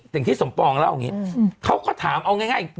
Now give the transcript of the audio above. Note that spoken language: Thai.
อย่างที่สมปองเล่าอย่างนี้เขาก็ถามเอาง่าย